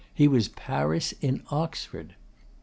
He was Paris in Oxford.